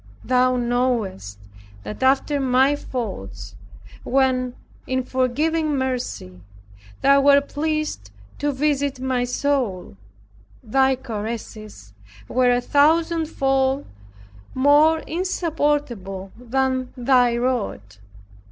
Thou knowest that after my faults, when, in forgiving mercy, Thou wert pleased to visit my soul, Thy caresses were a thousand fold more insupportable than Thy rod.